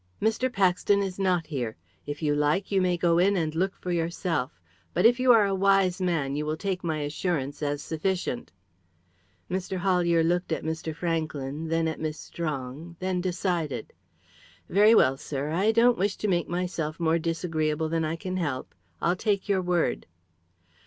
"Mr. Paxton is not here. If you like you may go in and look for yourself; but if you are a wise man you will take my assurance as sufficient." Mr. Hollier looked at Mr. Franklyn, then at Miss Strong, then decided. "Very well, sir. I don't wish to make myself more disagreeable than I can help. I'll take your word."